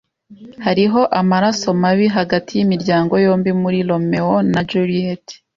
Hariho amaraso mabi hagati yimiryango yombi muri "Romeo na Juliet."